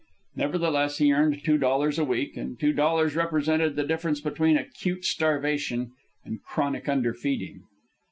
Nevertheless, he earned two dollars a week, and two dollars represented the difference between acute starvation and chronic underfeeding.